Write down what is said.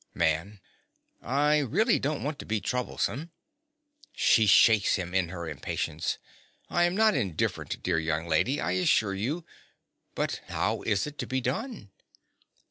MAN. I really don't want to be troublesome. (She shakes him in her impatience.) I am not indifferent, dear young lady, I assure you. But how is it to be done?